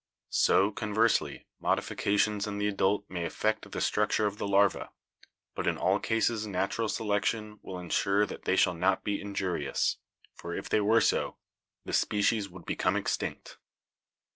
So, conversely, modifications in the adult may affect the structure of the larva; but in all cases natural selection will ensure that they shall not be injurious; for if they were so, the species would become extinct.